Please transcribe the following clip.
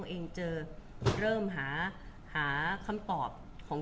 คุณผู้ถามเป็นความขอบคุณค่ะ